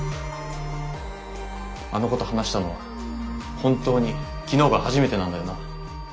あのこと話したのは本当に昨日が初めてなんだよな？